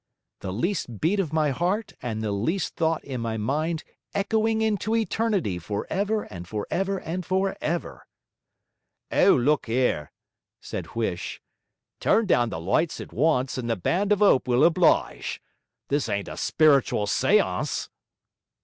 the least beat of my heart and the least thought in my mind echoing into eternity for ever and for ever and for ever.' 'O look 'ere,' said Huish, 'turn down the lights at once, and the Band of 'Ope will oblige! This ain't a spiritual seance.'